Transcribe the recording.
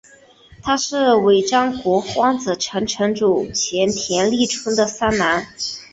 他是尾张国荒子城城主前田利春的三男。